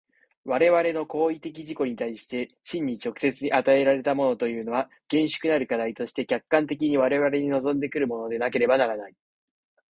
我々の行為的自己に対して真に直接に与えられたものというのは、厳粛なる課題として客観的に我々に臨んで来るものでなければならない。